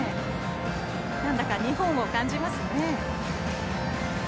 なんだか、日本を感じますね。